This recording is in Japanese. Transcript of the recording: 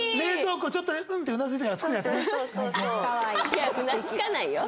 いやうなずかないよ。